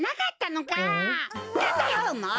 なんだよもう！